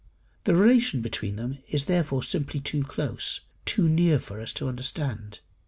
The relation between them is therefore simply too close, too near for us to understand.